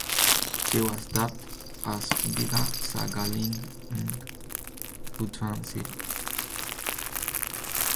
She was dubbed as ""Bida sa Galing ng Butuan City"".